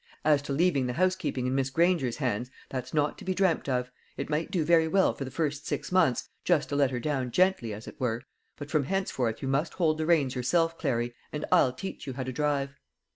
"As to leaving the housekeeping in Miss Granger's hands, that's not to be dreamt of. It might do very well for the first six months just to let her down gently, as it were but from henceforth you must hold the reins yourself, Clary, and I'll teach you how to drive."